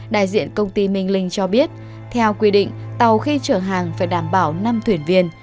đại diện công ty minh linh cho biết theo quy định tàu khi chở hàng phải đảm bảo năm thuyền viên